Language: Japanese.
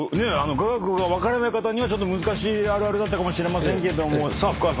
雅楽が分からない方には難しいあるあるだったかもしれませんけどもふかわさん。